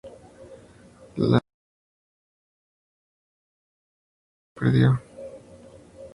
La partitura de la ópera se cree que se perdió.